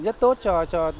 rất tốt cho